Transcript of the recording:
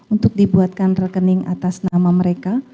untuk dibuatkan rekening atas nama mereka